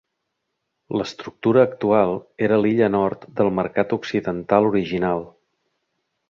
L'estructura actual era l'illa nord del mercat occidental original.